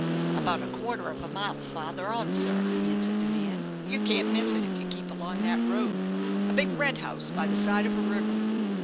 "About a quarter of a mile farther on, sir," answered the man; "you can't miss it if you keep along that road. A big red house, by the side of a river."